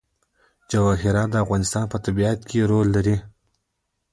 جواهرات د افغانستان په طبیعت کې مهم رول لري.